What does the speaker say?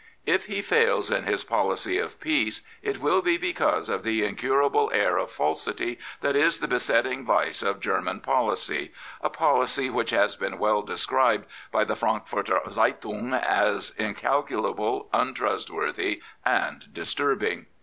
If he fails in his policy of peace, it will be because of the incurable air of falsity that is the besetting vice of German policy — a policy which has been well described by the Frankfurter Zeitung as incalculable, untrustworthy, and disturb ing."